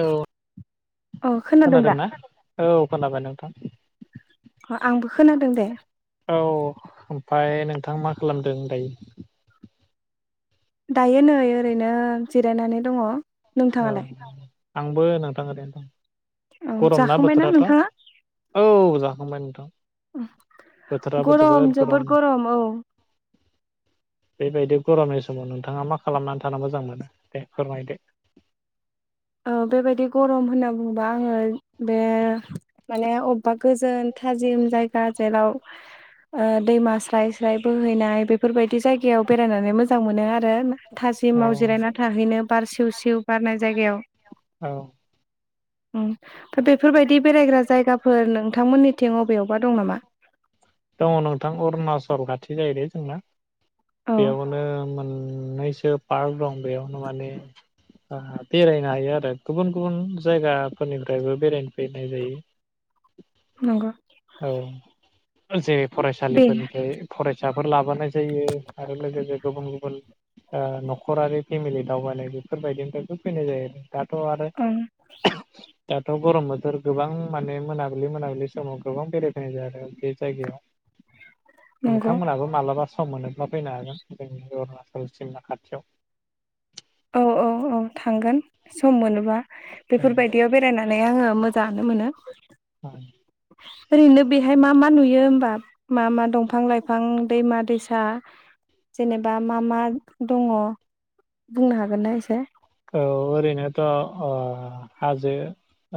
औ औ खोनादों दा खोनादोंना औ खोनाबाय नोंथां आंबो खोनादों दे औ ओमफ्राय नोंथां मा खालामदों दायो दायो नै ओरैनो जिरायनानै दङ औ नोंथाङालाय आंबो नोंथां ओरैनो दं औ गरम ना जाखांबायना बोथोराथ' नोंथाङा औ जाखांबाय नोंथां बोथोराबो जोबोद गरम बेबायदि गरमनि समाव नोंथाङा मा खालामनानै थानो मोजां मोनो दे फोरमायदो ओ बेबायदि गरम होनना बुङोबा आङो बे माने अबेबा गोजोन थाजिम जायगा जेराव ओ दैमा स्राय स्राय बोहैनाय बेफोरबायदि जायगायाव बेरायनानै मो जां मोनो आरो थाजिम औ माव जिरायना थाहैनो बार सिउ सिउ बारनाय जायगायाव औ उम बेफोरबायदि बेरायग्रा जायगाफोर नोंथांमोननिथिं अबेयावबा दं नामा दङ नोंथां अरुणाचल खाथि जायो दे जोंना औ बेयावनो मोन नैसो पार्क दं बेयावनो माने ओ बेरायनो ओ हायो आरो गुबुन गुबुन जायगाफोरनिफ्रायबो बेरायनो फैनाय जायो नंग औ जेरै फरायसालिफोरनिफ्राय फरायसा साफोर लाबोनानाय जायो आरो लोगोसे गुबुन गुबुन ओ न'खरारि फेमिलि दावबायनाय बेफोरबायदिनिफ्रायबो फैनाय जायो आरो दाथ' आरो ओं दाथ' गरम बोथोर गोबां माने मोनाबिलि मोनाबिलि समाव गोबां बेरायफैनाय जायो आरो बे जायगायाव नंगौ नोंथांमोनाबो मालाबा सम मोनोब्ला फैनो हागोन जोंनि अरुणचल सिमना खाथियाव औ औ औ थांगोन सम मोनोबा औ बेफोर बायदियाव बेरायनानै [unintelligible] आङो मोजाङानो मोनो औ ओरैनो बेहाय मा मा नुयो होनबा मा मा दंफां लाइफां दैमा दैसा जेनेबा मा मा दङ बुंनो हागोनना एसे औ ओरैनोथ'ओ हाजो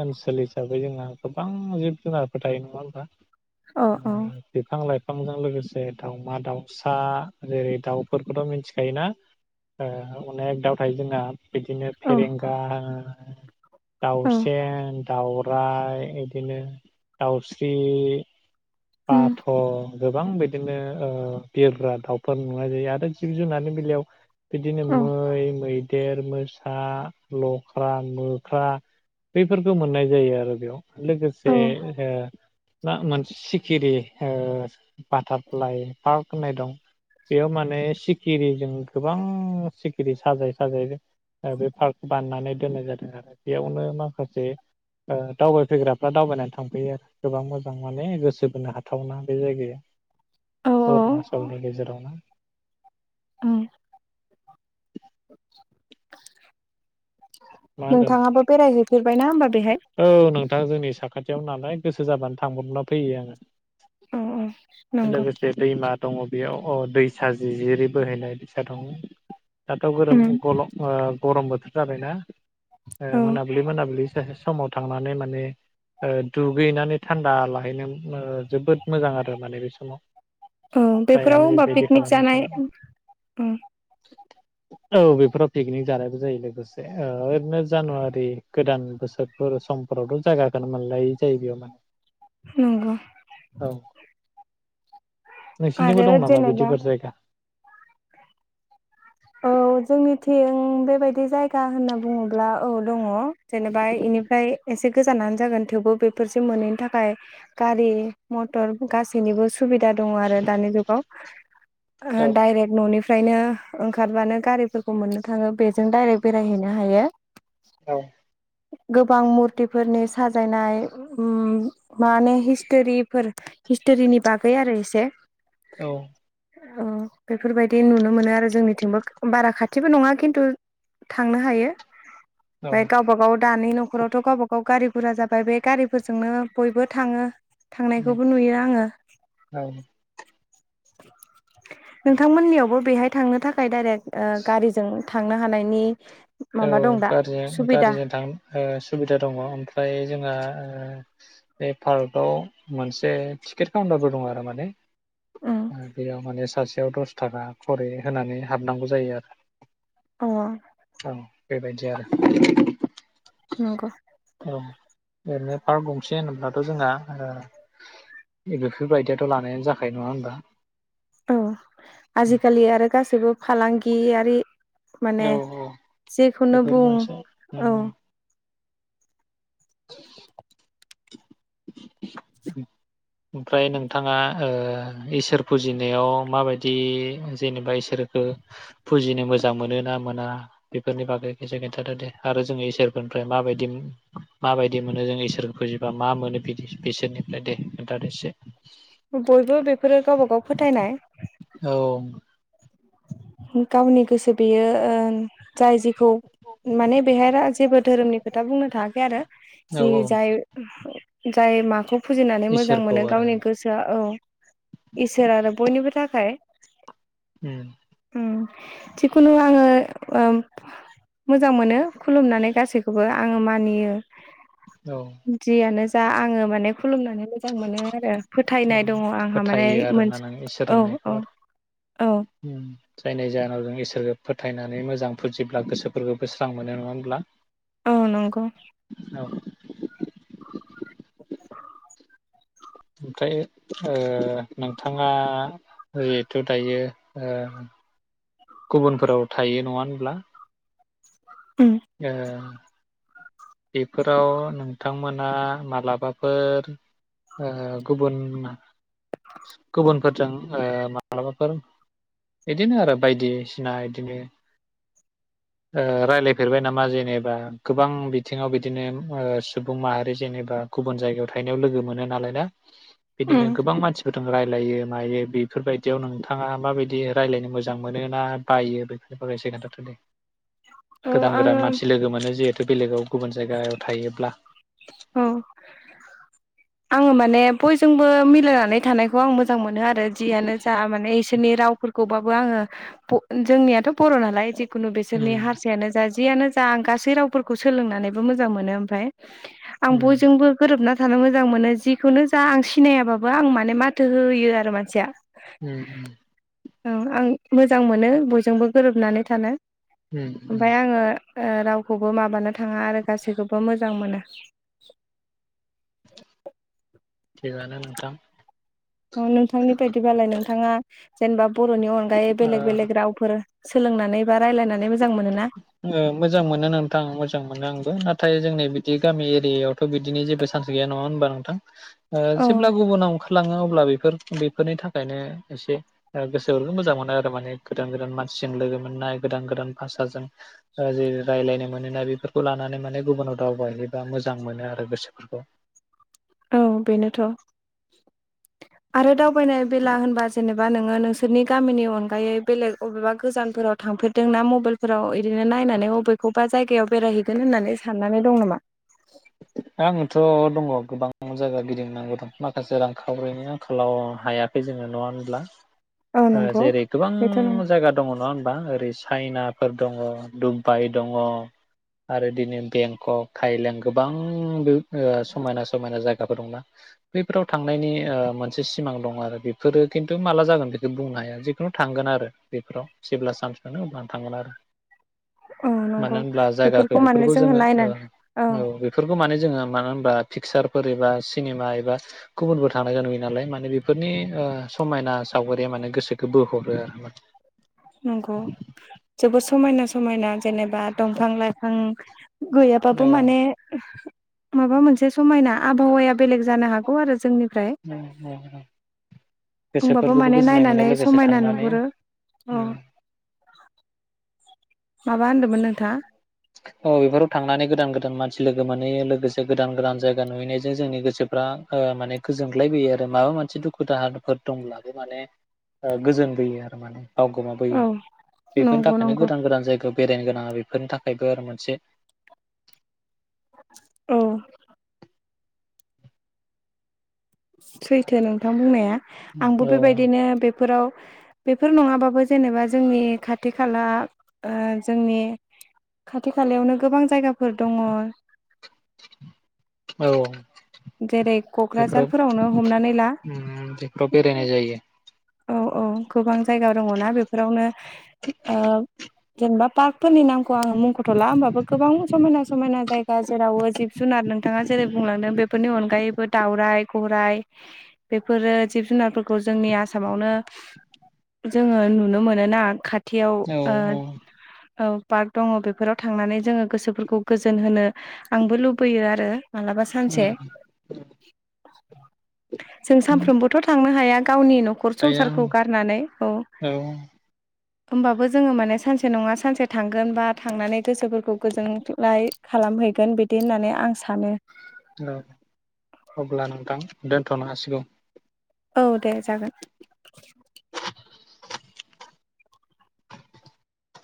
ओनसोल हिसाबै जोंहा गोबां जिब जुनारफोर थायो नङा होनोमबा अ अ बिफां लाइफां बिफांजों लोगोसे दाउमा दाउसा जेरै दाउफोरखौथ' मिथिखायोना ओ अनेख दाउ थायो जोंना बिदिनो औ फेरेंगा औ दाउसेेन दाउराय इदिनो दाउस्रि उम बाथ' गोबां बिदिनो ओ बिरग्रा दाउफोर नुनाय जायो आरो जिब जुनारनि बेलायाव बिदिनो औ मै मै देर मोसा लख्रा मोख्रा बैफोरखौ मोननाय जायो आरो बेयाव औ लोगोसे ओ ना मोनसे सिखिरि बाटारफ्लाइ पार्क होननाय दं बेयाव माने सिखिरिजों गोबां सिखिरि साजाय साजायै बे पार्क बाननानै दोननाय जादों आरो बेयावनो माखासे दावबायफैग्राफ्रा दावबायनानै थांफैयो आरो गोबां मोजां माने गोसो होनो हाथावना बे जायगाया औ अरूनाचलनि गेजेरावनो उम [unintelligible] मा होनदों नोंथां नोंथाङाबो बेरायहैफेरबाय ना होमबा बेहाय साखाथियावनो नालाय गोसो जाबानो थांब्रबना फैयो आङो अ औ नंगौ लोगोसे दैमा दङ बेयाव अ दै साजि जिरि बोहैनाय दैसा दङ दाथाव गरोम उम गरम गरम बोथोर जाबायना ओ औ मोनाब्लि मोनाब्लि सासे समाव थांनानै माने ओ दुगैनानै थान्दा लाहैनो जोबोद मोजां आरो माने बे समाव औ बेफोराव फ्रायानो होमबा बेबायदि पिकनिक खालामनाय सम जानाय औ बेफोराव पिकनिक जानायबो जायो लोगोसे ओ बिदिनो जानुवारि गोदान बोसोरफोर समफोरावथ' जायागाखोनो मोनलायै जायो बेयाव माने नंगौ औ नोंसिनिबो आरो दं नामा बिदि जेनेबा फोर जायगा औ जोंनिथिं बेबायदि जायगा होनना बुङोब्ला औ दङ जेनेबा इनिफ्राय एसे गोजानानो जागोन थेवबो बेफोरसो मोनैनि थाखाय गारि मटर गासैनिबो सुबिदा दङ आरो दानि जुगाव औ डाइरेक्ट न'नि फ्रायनो ओंखारबानो गारिफोरखौ मोननो थाङो बेजों दडाइरेक्ट बेरायहैनो हायो औ गोबां मुरतिफोरनि साजायनाय माने हिस्ट'रिफोर हिस्ट'रिनि बागै आरो एसे औ अ बेफोरबायदि नुनो मोनो आरो जोंनिथिंबो बारा खाथिबो नङा खिन्थु थांनो हायो औ ओमफ्राय गावबा गाव दानि नखरावथ' गावबा गाव गारि बुरजा जाबाय बे गारिफोरजोंनो बयबो थाङो थांनायखौबो नुयो आङो औ नोंथांमोननियावबो बेहाय थांनो थाखाय दडाइरेक्ट ओ गारिजों थांनो हानायनि औ माबा दं दा गारिजों सुबिदा गारिजों थां ओ सुबिदा दङ ओमफ्राय जोंहा ओ बे पार्काव मोनसे टिकेट काउन्टारबो दं आरो माने उम बेयाव माने सासे सासेयाव दस थाखा खुरै होनानै हाबनांगौ जायो आरो अ औ बेबायदि आरो नंगौ अ एरैनो पार्क गंसे होनोब्लाथ' जोंहा बेफोरबायदियाथ' लानायानो जाखायो नङा होनबा औ आजिखालि आरो गासैबो फालांगि आरो बे माने औ औ जेखौनो बेफोर बुं मोनसे औ [inaudible] ओमफ्राय नोंथाङा ओ इसोर फुजिनायाव माबायदि जेनेबा इसोरखो फुजिनो मोजां मोनो ना मोना बेफोरनि बागै खोनसे खोनथादो दे आरो जोङो इसोरफोरनिफ्राय माबायदि माबायदि मोनो जों इसोर फुजिबा मा मोनो बिदि बिसोरनिफ्राय दे खोनथा दो एसे बयबो बेफोरो गावबा गाव फोथायनाय औ गावनि गोसो बेयो ओ जाय जेखौ माने बेहाय जेबो धोरोमनि खोथा बुंनो थायाखै आरो औ जि औ जाय जाय माखौ फुजिनानै मोजां इसोरखौ मोनो आरो गावनि गोसोआ औ इसोर आरो बयनिबो थाखाय उम ओम जिखुनु आङो मोजां मोनो खुलुमनानै गासैखौबो आङो मानियो औ जियानो जा आङो माने खुलुमनानै मोजां मोनो आरो फोथायनाय दङ आंहा माने फोथायो मोन आरोना नों इसोर औ होननायखौ औ आरो औ जायनि जाहोनाव जों इसोरखौ फोथायनानै मोजां फुजिब्ला गोसोफोरखौबो स्रां मोनो नङा होनब्ला औ नंगौ [unintelligible] ओमफ्राय ओ नोंथाङा जिहेथु दायो ओ गुबुनफोराव थायो नङा होनब्ला उम ओ बेफोराव नोंथांमोना मालाबाफोर ओ गुबुन गुबुनफोरजों माब्लाबाफोर बिदिनो आरो बायदिसिना इदिनो रायलाय फेरबाय नामा जेनेबा गोबां बिथिङाव बिदिनो सुबुं माहारि जेनेबा गुबुन जायगायाव थाहैनायाव लोगो मोनो नालाय ना बिदिनो उम गोबां मानसिफोर थ रायजलायो मायो बेफोरबायदियाव नोंथाङा माबायदि रायजलायनो मोजां मोनो ना बायो बेफोरनि बायसै खोन्थाथ' दे औ गोदान गोदान आङो मानसि लोगो मोनो जेरे बेलेगाव गुबुन जायगायाव थायोब्ला अ आङो माने बयजोंबो मिलायनानै थानायखौ आं मोजां मोनो आरो जियानो जा माने नि रावफोरखौबाबो आङो जोंनियाथ' बर' नालाय खुनु बेसोरनि उम हारसायानो जे जा बियानो जा आं गासै रावफोरखौ सोलोंनानैबो मोजां मोनो ओमफाय आं उम बयजोंबो गोरोबना थानो मोजां मोनो जिखुननो जा आं सिनायाबाबो आं माने माथो होयो आरो मानसिया उम उम औ आं मोजां मोनो बयजोंबो गोरोबनानै थानो उम उम ओमफाय आङो ओ रावखौबो माबानो थाङा आरो गासैखौबो मोजां मोजां मोनो थिगानो नोंथां नोंथांनि बायदिबालाय नोंथाङा जेनबा बर'नि अनगायै ओ बेलेग बेलेग रावफोर सोलोंनानैबा ओ मोजां मोनो नोंथां मोजां मोनो आंबो ना नाथाय जोंनि बिदि गामि एरियायावथ' बिदिनि जेबो चान्स गैया नङा होनबा नोंथां औ जेब्ला गुबुनाव ओंखारलाङो अब्ला अब्ला बे बेफोरनि थाखायनो एसे गोसो मोजां मोनो आरो माने गोदान गोदान मानसिजों लोगो मोननाय गोदान गोदान गोदान भाषाजों जों रायज्लायनो मोनोना बेफोरखौ लानानै माने गुबुनाव दावबायायोबा मोजां मोनो आरो गोसोफोरखौ औ बेनोथ' आरो दावबायनाय बेला होनबा जेनेबा नोङो नोंसोरनि गामिनि अनगायै बेलेग अबेबा गोजानफोराव थांफेरदों ना मबाइलफोराव बिदिनो नायनानै बबेखौबा जायगायाव बेरायहैगोन होननानै साननानै दं नामा आङोथ' दङ गोबां जायगा गिदिंनांगौ द माखासे रांखावरिनि आंखालाव हायाखै जोङो नङा होनब्ला औ ओ नंगौ जेरै गोबां बेथ' नं जायगा दङ नङा होन बा ओरै चाइनाफोर दङ दुबबाई दङ आरो दिनो बेंकक थाइलें गोबां बै ओ समायना समायना जायगाफोर दंना बैफोराव थांनायनि ओ मोनसे सिमां दं आरो बेफोरो खिन्थु माला जागोन बेखौ बुंनो हाया जिखुनु थांगोन आरो बेफोराव जेब्ला सान्स मोनो अब्लानो थांगोन आरो औ मानो नंगौ होनब्ला जायगाखौ बेफोरखौ माने जोङो ओ नायना औ बेफोरखौ माने जोङो मानो होनबा पिकसारफोर एबा सिनेमा एबा गुबुनफोर थांनायखौ नुैयो नालाय माने बेफोरनि ओ समायना सावगारिया माने गोसोखौ बोहरो आरो मा नंगौ जोबोद समायना समायना जेनेबा दंफां लाइफां गैयाबाबो औ माने माबा मोनसे समायना आबहावाया बेलेग जानो हागौ आरो जोंनि अ अ अ होमबाबो गोसोफोरखौबो माने गोजोननाय मोनो नायनानै लोगोसे समायना थांनानै नुहुरो अ ओ माबा होनदोंमोन नोंथाङा औ बेफोराव थांनानै गोदान गोदान मानसि लोगो मोनै लोगोसे गोदान गोदान जायगा नुहैनायजों जोंनि गोसोफ्रा ओ माने गोजोनग्लायबोयो आरो माबा मोनसे दुखु दाहाफोर दंब्लाबो माने ओ गोजोनबोयो आरो माने बावगोमाबोयो औ बेफोरनि नंगौ थाखायनो नंगौ गोदान गोदान जायगायाव बेरायनो आंहा बेफोरनि थाखायबो आरो मोनसे औ सैथो नोंथां बुंनाया आंबो औ बेबायदिनो बेफोराव बेफोर नङाबाबो जेनेबा जोंनि खाथि खाला ओ जोंनि खाथि खालायावनो गोबां जायगा फोर दङ औ जेरै बेफोराव क'क्राझारफोरावनो हमनानै ला उम बेफोराव बेरायनाय जायो औ औ गोबां जायगा दङ ना बेफोरावनो ओ जेनेबा पार्क फोरनि नामखौ आङो मुंखथ'ला होमबाबो गोबां समायना समायना जाय गा जेरावबो जिब जुनार नों थाङा जेरै बुंलांदों बे फोरनि अनगायैबो दाउराइ गराइ बेफोरो जिब जुनारफोरखौ जोंनि आसामावनो जोङो नुनो मोनोना खा थियाव ओ औ औ औ पार्क दङ बेफोराव थांनानै जोङो गोसोफोरखौ गोजोन होनो आंबो लुबैयो आरो मालाबा सानसे उम जों सानफ्रोमबोथ' थां नो हाया गावनि न'खर ओमफ्राय आं संसारखौ गारनानै औ होमबाबो जोङो माने सानसे नङा सानसे थांगोन बा थांनानै गोसोफोरखौ गोजोनग्लाय खालामहैगोन बिदि होननानै आं सानो औ अब्ला नोंथां दोनथ'नो हासिगौ औ दे जागोन